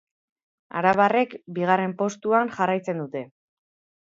Arabarrek bigarren postuan jarraitzen dute.